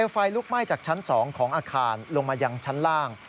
ไฟลุกไหม้จากชั้น๒ของอาคารลงมายังชั้นล่าง